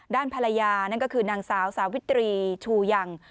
ด้านภรรยานั่นก็คือนางสาวสาวิตรีชูยัง